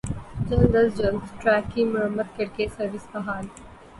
جلد از جلد ٹریک کی مرمت کر کے سروس بحال